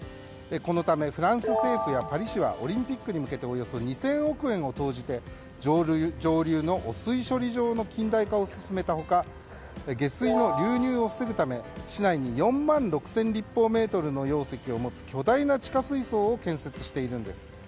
このためフランス政府やパリ市はオリンピックに向けておよそ２０００億円を投じて上流の汚水処理場の近代化を進めた他下水の流入を防ぐため市内に４万６０００立方メートルの容積を持つ巨大な地下水槽を建設しているんです。